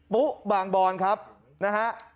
ปุ๊บางบอนครับนะฮะ